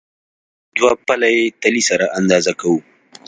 دوه پله یي تلې سره اندازه کوو.